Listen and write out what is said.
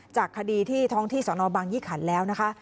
จากคดีที่ท้องที่สนบังยี่ขันแล้วนะคะ